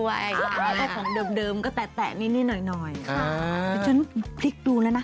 ค่ะแล้วก็ของเดิมเดิมก็แตะแตะนิดนี่หน่อยหน่อยค่ะเพราะฉะนั้นพลิกดูแล้วน่ะ